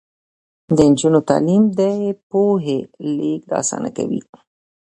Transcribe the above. د نجونو تعلیم د پوهې لیږد اسانه کوي.